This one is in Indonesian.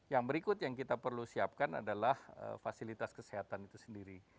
yang berikut yang kita perlu siapkan adalah fasilitas kesehatan itu sendiri